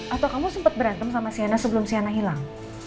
atau kamu sempet berantem sama sienna sebelum sienna hilang